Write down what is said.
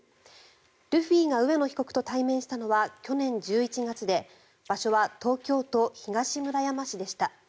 ルフィが上野被告と対面したのは去年１１月で場所は東京都東村山市でした。